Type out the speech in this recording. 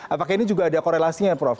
apakah ini juga ada korelasinya prof